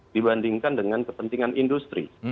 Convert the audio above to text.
dibandingkan dengan kepentingan industri